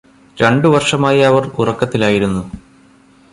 രണ്ടുവര്ഷമായി അവര് ഉറക്കത്തിലായിരുന്നു